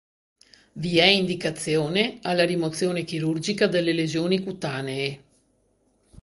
Vi è indicazione alla rimozione chirurgica delle lesioni cutanee.